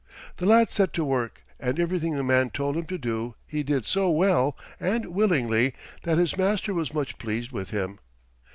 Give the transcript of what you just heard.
The lad set to work, and everything the man told him to do he did so well and willingly that his master was much pleased with him.